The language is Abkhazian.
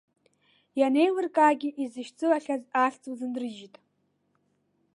Ианеилыркаагьы, изышьцылахьаз ахьӡ лзынрыжьит.